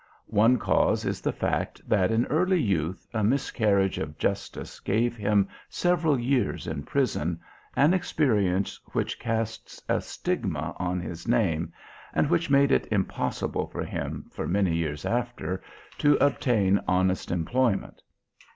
One cause is the fact that in early youth a miscarriage of justice gave him several years in prison, an experience which cast a stigma on his name and which made it impossible for him, for many years after, to obtain honest employment.